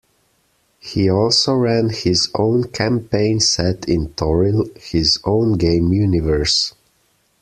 He also ran his own campaign set in Toril, his own game universe.